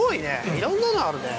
いろんなのあるね。